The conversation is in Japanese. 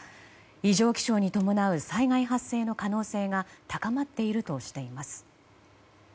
異常気象に伴う災害発生の可能性が高まっているとしています。